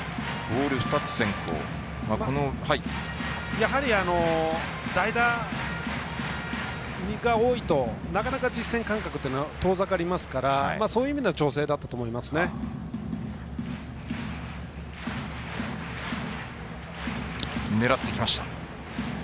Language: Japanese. やはり代打が多いとなかなか実戦感覚というのは遠ざかりますからそういう意味での調整だったと狙ってきました。